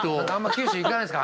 九州行かないですか？